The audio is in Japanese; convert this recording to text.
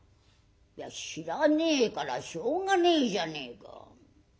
「いや知らねえからしょうがねえじゃねえか。